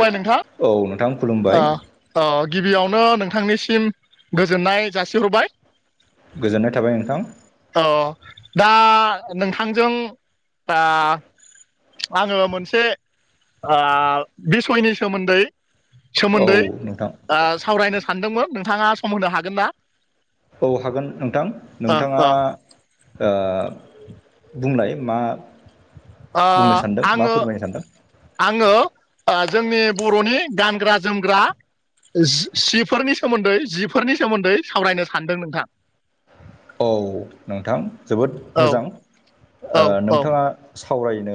बुंबाय नोंथां औ नोंथां खुलुमबाय ओ गिबियावनो नोंथांनिसिम गोजोननाय जासिहरबाय गोजोननाय थाबाय नोंथां अ दा नोंथांजों ओ आङो मोनसे ओ बिसयनि सोमोन्दै औ सोमोन्दै नोंथां सावरायनो सानदोंमोन नोंथाङा सम होनो हागोन ना औ हागोन नोंथां ओ नोंथाङा ओ बुंनाय मा ओ बुंनो सान्दों मा आङो फोरमायनो सानदों आङो जोंनि बर'नि गानग्रा जोमग्रा सिफोरनि सोमोन्दै जिफोरनि सोमोन्दै सावरायनो सानदों नोंथां औ नोंथां जोबोद औ मोजां औ औ नोंथाङा सावरायनो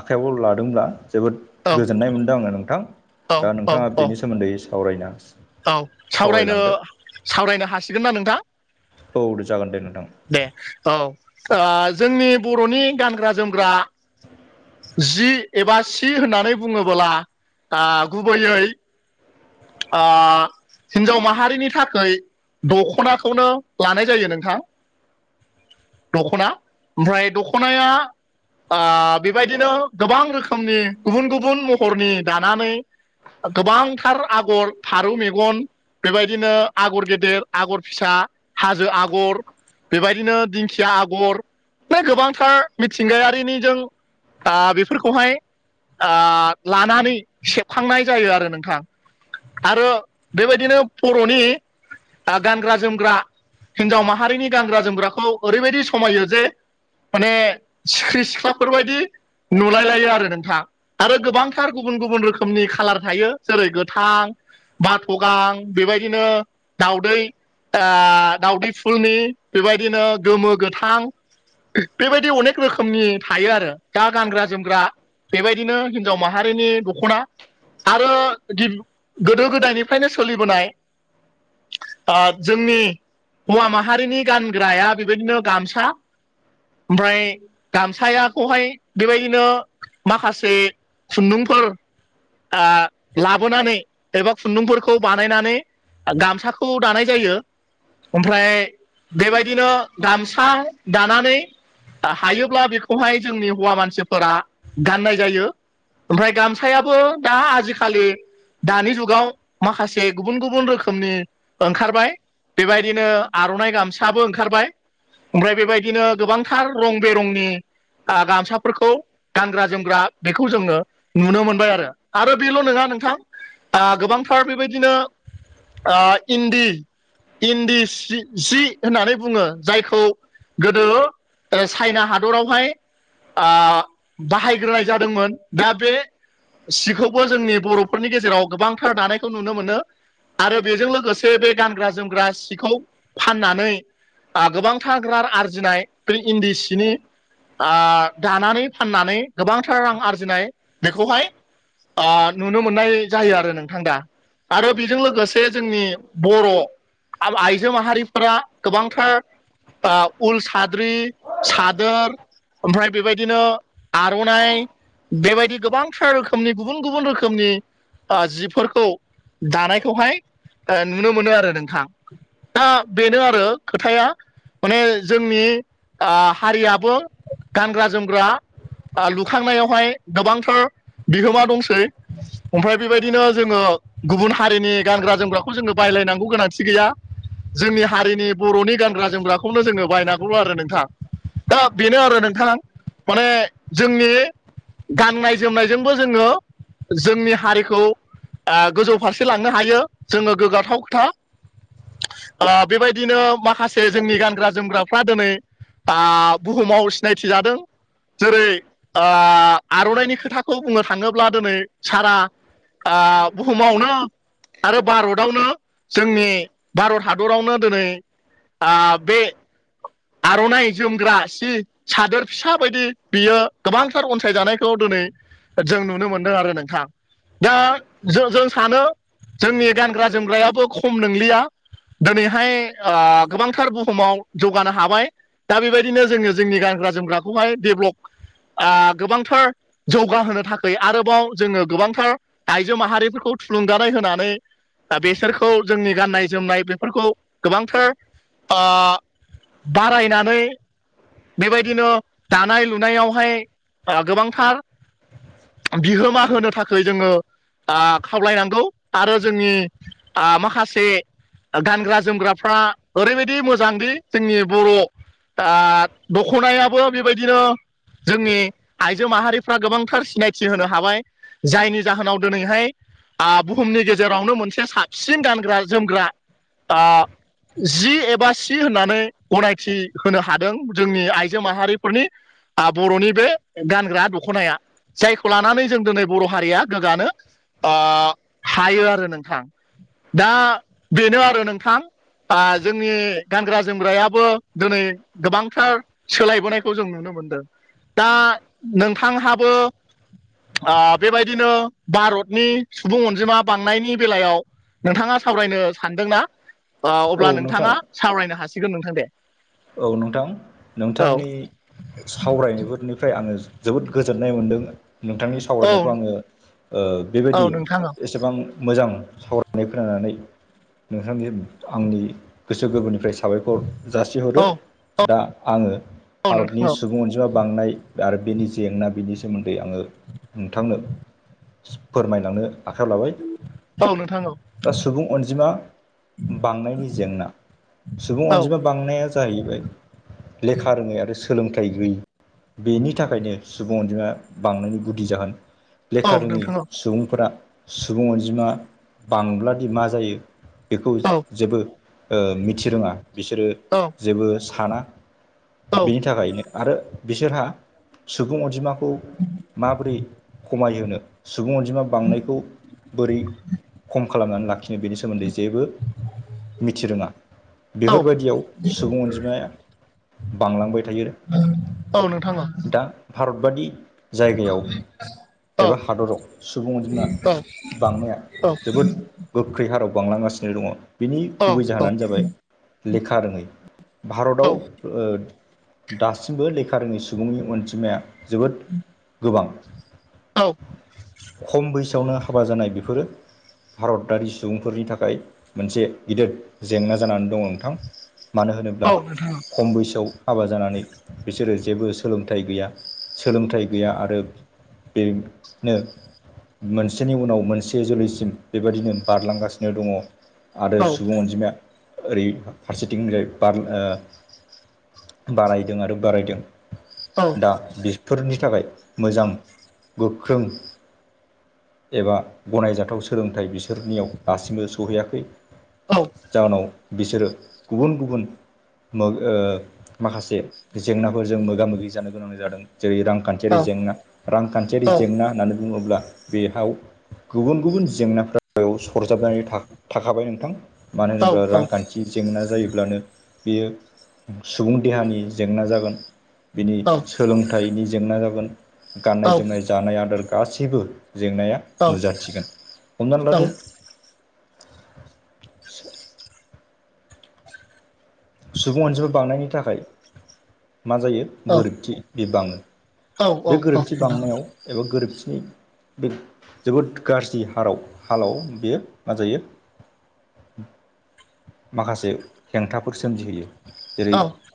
आखाइयाव लादोंब्ला जोबोद गोजोननाय मोनदों आङो नोंथां औ दा औ नोंथाङा औ बेनि सोमोन्दै सावरायनो औ सावरायनो सावरायनो हासिगोन ना नोंथां औ दे जागोन दे नोंथां दे औ जोंनि बर'नि गानग्रा जोमग्रा जि एबा सि होननानै बुङोबोला गुबैयै ओ हिनजाव माहारिनि थाखाय दख'नाखौनो लानाय जायो नोंथां दख'ना ओमफ्राय दख'नाया बेबायदिनो गोबां रोखोमनि गुबुन गुबुन महरनि दानानै गोबांथार आगर फारौ मेगन बेबायदिनो आगर गेदेर आगर फिसा हाजो आगर बेबायदिनो दिंखिया आगर फ्राय गोबांथार मिथिंगायारिनि जों दा बेफोरखौहाय लानानै सेबखांनाय जायो आरो नोंथां आरो बेबायदिनो बर'नि गानग्रा जोमग्रा हिनजाव माहारिनि गानग्रा जोमग्राखौ ओरैबायदि समायो जे माने सिख्रि सिख्लाफोरबायदि नुलायलायो आरो नोंथाङा आरो गोबांथार गुबुन गुबुन रोखोमनि खालार थायो जेरै गोथां बाथ' गां बेबायदिनो दाउदै दाउदै फुलनि बेबायदिनो गोमो गोथां बेबायदि अनेक रोखोमनि थायो आरो दा गानग्रा जोमग्रा बेबायदिनो हिनजाव माहारिनि दख'ना आरो गोदो गोदायनिफ्रायनो सोलिबोनाय जोंनि हौवा माहारिनि गानग्राया बेबायदिनो गामसा ओमफ्राय गामसायाखौहाय बेबायदिनो माखासे खुनदुंफोर ओ लाबोनानै एबा खुन्दुंफोरखौ बानायनानै गामसाखौ दानाय जायो ओमफ्राय बेबायदिनो गामसा दानानै हायोब्ला बेखौहाय जोंनि हौवा मानसिफोरा गाननाय जायो ओमफ्राय गामसायाबो दा आजिखालि खालि दानि जुगाव माखासे गुबुन गुबुन रोखोमनि ओंखारबाय बेबायदिनो आर'नाइ गामसाबो ओंखारबाय ओमफ्राय बेबायदिनो गोबांथार रं बेरंनि गामसाफोरखौ गानग्रा जोमग्रा बेखौ जोङो नुनो मोनबाय आरो आरो बेल' नङा नोंथां गोबांथार बेबायदिनो इन्दि इन्दि सि जि होननानै बुङो जायखौ गोदो चाइना हादरावहाय बाहायग्रोनाय जादोंमोन दा बे सिखौ बो जोंनि बर'फोरनि गेजेराव गोबांथार दानायखौ नुनो मोनो आरो बेजों लोगोसे बे गानग्रा जोमग्रा सिखौ फाननानै गोबांथार रां आरजिनाय बे इन्दि सिनि दानानै फाननानै गोबांथार रां आरजिनाय बेखौहाय नुनो मोननाय जायो आरो नोंथां दा आरो बेजों लोगोसे जोंनि बर' आइजो माहारिफोरा गोबांथार उल साद्रि सादोर ओमफ्राय बेबायदिनो आर'नाइ बेबायदि गोबांथार रोखोमनि गुबुन गुबुन रोखोमनि जिफोरखौ दानायखौहाय नुनो मोनो आरो नोंथां दा बेनो आरो खोथाया माने जोंनि हारियाबो गानग्रा जोमग्रा लुखांनायावहाय गोबांथार बिहोमा दंसै ओमफ्राय बेबायदिनो जोङो गुबुन हारिनि गानग्रा जोमग्राखौ जोङो बायलायनांगौ गोनांथि गैया जोंनि हारिनि बर'नि गानग्रा जोमग्राखौनो जोङो बायनांगौ आरो नोंथां दा बेनो आरो नोंथां माने जोंनि गाननाय जोमनायजोंबो जोङो जोंनि हारिखौ गोजौ फारसे लांनो हायो जोङो गोग्गाथाव खोथा बेबायदिनो माखासे जोंनि गानग्रा जोमग्राफ्रा दिनै दा बुहुमाव सिनायथि जादों जेरै आर'नाइनि खोथाखौ बुंनो थाङोब्ला अब्ला दिनै सारा आ बुहुमावनो आरो भारतावनो जोंनि भारत हादरावनो दिनै ओ बे आर'नाइ जोमग्रा सि सादोर फिसा बायदि बियो गोबांथार अनसायजानायखौ दिनै जों नु नो मोन्दों आरो नोंथां। दा जों जों सानो जोंनि गानग्रा जोमग्रायाबो खम नंलिया। दिनैहाय गोबांथार बुहुमाव जौगानो हाबाय। दा बेबायदिनो जोङो जोंनि गानग्रा जोमग्राखौहाय डेभेलप आ गोबांथार जौगाहोनो थाखाय आरोबाव जोङो गोबांथार आइजो माहारिफोरखौ थुलुंगानाय होनानै दा बेसोरखौ जोंनि गाननाय जोमनाय बेफोरखौ गोबांथार ओ बारायनानै बेबायदिनो दानाय लुनायावहाय ओ गोबांथार बिहोमा होनो थाखाय जोङो ओ खावलायनांगौ आरो जोंनि आ माखासे गानग्रा जोमग्राफ्रा ओरैबायदि मोजांदि जोंनि बर' आ दख'नायाबो बेबायदिनो जोंनि आइजो माहारिफ्रा गोबांथार सिनायथि होनो हाबाय जायनि जाहोनाव दिनैहाय आं बुहुमनि गेजेरावनो मोनसे साबसिन गानग्रा जोमग्रा आं जि एबा सि होननानै गनायथि होनो हादों। जोंनि आइजो माहारिफोरनि बर'नि बे गानग्रा दखनाया। जायखौ लानानै जों दिनै बर' हारिया गोग्गानो ओ हायो आरो नोंथां। दा बेनो आरो नोंथां आ जोंनि गानग्रा जोमग्रायाबो दिनै गोबां थार सोलायबोनायखौ जों नुनो मोनदों दा नोंथांहाबो आ बेबायदिनो भारतनि सुबुं अनजिमा बांनायनि बेलायाव नोंथाङा सावरायनो सानदोंना औ अब्ला नोंथां नोंथाङा सावरायनो हासिगोन नोंथां दे। औ नोंथां औ नोंथांनि सावरायनायफोरनिफ्राय आङो जोबोद गोजोननाय मोनदों। नोंथांनि औ सावरायनायखौ आङो ओ औ बेबायदि नोंथां औ एसेबां मोजां सावरायनाय फोरोननानै नोंथांनि आंनि गोसो गोरबोनिफ्राय साबायखर जा औ थिहरो औ दा आङो औ नोंथां भारतनि औ सुबुं अनजिमा बांनाय आरो बेनि जेंना बेनि सोमोन्दै आङो नोंथांनो फोरमायलांनो आखाइयाव लाबाय औ नोंथां औ दा सुबुं अनजिमा बांनायनि जेंना सुबुं औ अनजिमा बांनाया जाहैबाय लेखा रोङै आरो सोलोंथाइ गैयै बेनि थाखायनो सुबुं अनजिमा बांनायनि गुदि जाहोन औ लेखा रोङि नोंथां औ सुबुंफोरा सुबुं अनजिमा बांब्लादि मा जायो बेखौ औ जेबो ओ मिथि रोङा ओ बिसोरो औ जेबो साना औ बेनि थाखायनो आरो बिसोरहा सुबुं अनजिमा खौ माबोरै खमायहोनो सुबुं अनजिमा बांनायखौ बोरै खम खालामनानै लाखिनो बेनि सो सोमोन्दै जेबो मिथि रोङा औ बेफोरबायदियाव सुबुं अनजिमाया बांलांबाय थायो औ नोंथां औ दा भारत बादि जायगायाव औ एबा हादराव सुबुं अनजिमा औ नोंथां औ बांनाया औ जोबोद गोख्रै हाराव बांलांगासिनो दङ बिनि औ गुबै औ जाहोनानो जाबाय लेखा रोङै भारताव ओ दासिमबो लेखा रोङै सुबुंनि अनजिमाया जोबोद गोबां [unintelligible] खम बैसोआवनो हाबा जानाय बिफोरो भारतारि सुबुंफोरनि थाखाय मोनसे गिदिर जेंना जानानै दङ नोंथां मानो होनो [unintelligible] खम बैसोआव हाबा जानानै बिसोरो जेबो सोलोंथाइ गैया सोलोंथाइ गैया आरो बेनो मोनसेनि उनाव मोनसे जोलैसिम बेबायदिनो बारलांगासिनो दङ आरो औ सुबुं अनजिमाया ओरै फारसे थिंजाय ओ बा बारायदों आरो बारायदों औ दा बिफोरनि थाखाय मोजां गोख्रों एबा गनायजाथाव सोलोंथाइ बिसोरनियाव दासिमबो सहैयाखै औ जाहोनाव बिसोरो गुबुन गुबुन मो ओ माखासे जेंनाफोरजों मोगा मोगि जानो गोनां जादों जेरै रांखान औ थियारि जेंना रांखान्थियारि जेंना नोंथां औ होननानै बुङोब्ला बेहाव गुबुन गुबुन जेंनाफोराव सरजाबनानै थाखाबाय नोंथां औ मानो होनोब्ला रांखान्थि जेंनाजों जायोब्लानो बियो सुबुं देहानि जेंना जागोन बिनि सोलोंथाइनि जेंना जागोन गाननाय जोमनाय जानाय आदार गासैबो जेंनाया नुजाथिगोन हमनानै लादो सुबुं अनजिमा बांनायनि थाखाय मा जायो गोरिबथि बे बाङो बे गोरिबथि बांनायाव एबा गोरोबथिनि बे जोबोद गाज्रि हाराव हालाव बेयो मा जायो माखासे हेंथाफोर सोमजिहोयो जेरै औ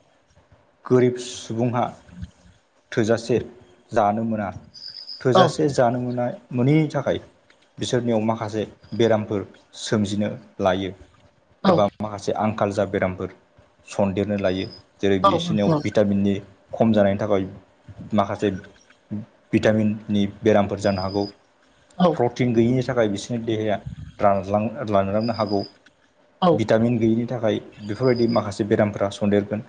गोरिब सुबुंहा थोजासे जानो मोना थोजासे जानो मोना मोनैनि थाखाय बिसोरनियाव माखासे बेरामफोर सोमजिनो लायो एबा माखासे आंखाल जा बेरामफोर सन्देरनो लायो जेरै बिसोरनियाव भिटामिननि खम जानायनि थाखाय माखासे जे भिटामिननि बेरामफोर जानो हागौ प्र टिन गैयिनि थाखाय बिसोरनि देहाया रानलां रानलांनो हागौ भिटामिन गैयिनि थाखाय बेफोरबायदि माखासे बेरामफोरा सन्देरगोन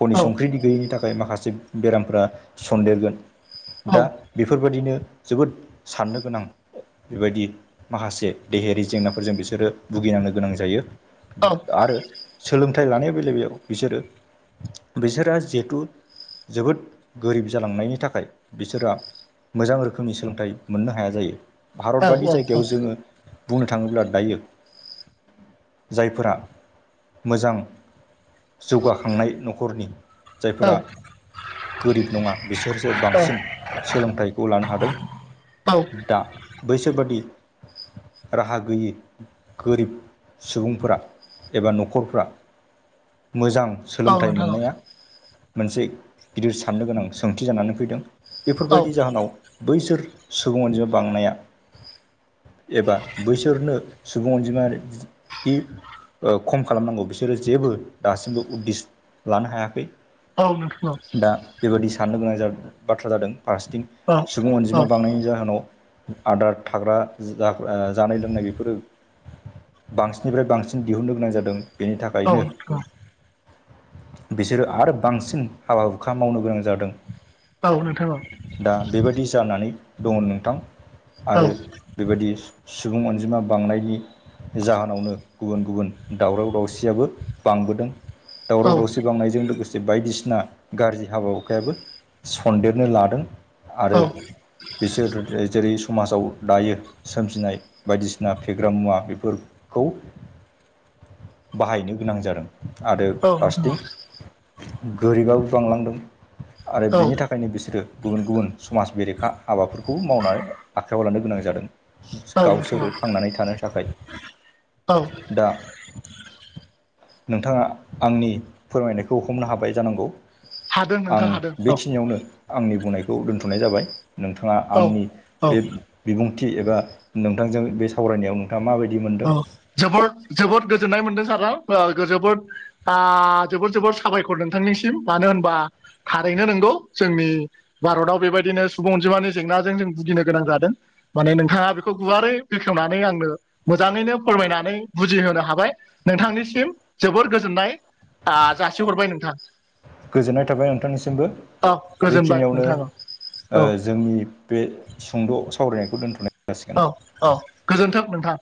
खनि संख्रिनि गैयिनि थाखाय माखासे बेरामफ्रा सन्देरगोन दा बेफोरबायदिनो जोबोद साननो गोनां बेबायदि माखासे देहायारि जेंनाफोरजों बिसोरो भुगिनांनो गोनां जायो आरो सोलोंथाइ लानाय बेले बेयाव बिसोरो बिसोरहा जिहेथु जोबोद गोरिब जालांनायनि थाखाय थाखाय बिसोरहा मोजां रोखोमनि सोलोंथाइ मोननो हाया जायो भारतबायदि जायगायाव जोङो बुंनो थाङोब्ला दायो जायफोरा मोजां जौगाखांनाय नखरनि जायफोरा औ गोरिब नङा बिसोरसो औ बांसिन सोलोंथाइखौ लानो हादों औ दा बैसोर बादि राहा गैयै गोरिब सुबुंफोरा एबा नखरफोरा मोजां औ सोलोंथाइ नोंथां औ मोननाया मोनसे गिदिर साननो गोनां सोंथि जानानै फैदों। औ बेफोरबायदि जाहोनाव बैसोर सुबुं अनजिमा बांनाया एबा बैसोरनो सुबुं अनजिमा खि ओ खम खालामनांगौ बिसोरो जेबो दासिमबो उददिस लानो हायाखै। औ नोंथां दा बेबादि साननो गोनां जा बाथ्रा जादों फारसेथिं औ सुबुं औ अनजिमा बांनायनि जाहोनाव आदार थाग्रा जा ओ जाग्रा जानाय लोंनाय बेफोरो बांसिननिफ्राय बांसिन दिहुनन्नो गोनां जादों बेनि औ थाखायनो नोंथां बिसोरो आरो बांसिन हाबा हुखा मावनो गोनां जादों। औ नोंथां औ। दा बेबादि जानानै दङ नोंथां औ आरो बेबायदि सुबुं अनजिमा बांनायनि जाहोनावनो गुबुन गुबुन दावराव दावसियाबो बांबोदों। औ दावराव दावसि नोंथां बावनायजों लोगोसे बायदिसिना गारजि हाबा हुखायाबो सन्देरनो लादों आरो औ बिसोर जेरै समाजाव दायो सोमजिनाय बायदिसिना फेग्रा मुवा बेफोर खौ बाहायनो गोनां जादों। आरो औ फारसेथिं गोरिबाबो बांलांदों आरो बिनि खायनो बिसोरो गुबुन गुबुन समाज बेरेखा हाबाफोरखौ मावना आखायाव लानो गोनां जादों। औ नोंथां गावसोरो थांनानै थानो थाखाय औ दा नोंथाङा आंनि फोरमायनायखौ हमनो हाबाय जानांगौ। हादों आं नोंथां हादों बेखिनियावनो आंनि बुंनायखौ दोनथ'नाय जाबाय। नोंथाङा औ आंनि औ बे बिबुंथि एबा नोंथांजों बे सावरायनायाव नोंथाङा माबायदि मोनदों? जबोद जोबोद गोजोननाय मोनदों सारा ओ जोबोद आ जोबोर जोबोर साबायखर नोंथांनिसिम। मानो होनबा थारैनो नोंगौ जोंनि भारताव बेबायदिनो सुबुं अनजिमानि जेंनाजों जों भुगिनो गोनां जादों। माने नोंथाङा बेखौ गुवारै बेखेवनानै आंनो मोजाङैनो फोरमायनानै बुजिहोनो हाबाय नोंथांनिसिम जोबोर गोजोननाय आ जासि हरबाय नोंथां। गोजोननाय थाबाय नोंथांनिसिमबो। औ गोजोनबाय बेखिनियावनो नोंथां औ ओज जोंनि बे सुंद' सावरायनायखौ दोनथ'नाय जासिगोन औ औ गोजोन्थों नोंथां।